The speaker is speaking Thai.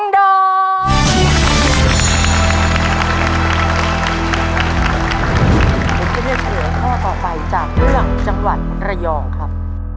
ผมจะเลือกเฉลยข้อต่อไปจากเรื่องจังหวัดระยองครับ